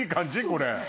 これ。